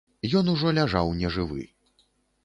Ён ужо ляжаў нежывы.